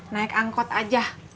naik angkot aja